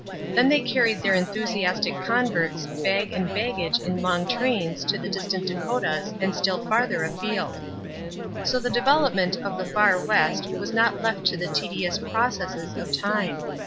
Then they carried their enthusiastic converts bag and baggage in long trains to the distant Dakotas and still farther afield. So the development of the Far West was not left to the tedious processes of time.